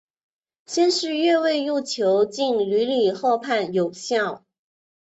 先是越位入球竟屡屡获判有效。